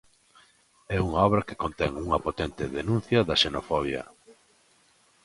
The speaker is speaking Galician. É unha obra que contén unha potente denuncia da xenofobia.